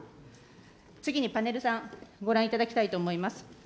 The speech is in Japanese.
次にパネル３、ご覧いただきたいと思います。